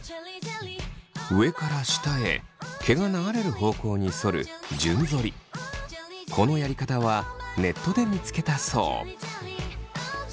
上から下へ毛が流れる方向にそるこのやり方はネットで見つけたそう。